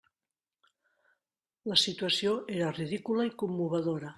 La situació era ridícula i commovedora.